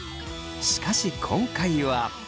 しかし今回は。